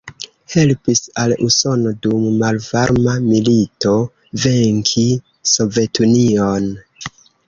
Helpis al Usono dum malvarma milito venki Sovetunion.